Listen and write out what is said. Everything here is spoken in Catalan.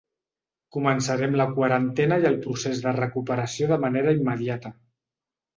Començarem la quarantena i el procés de recuperació de manera immediata.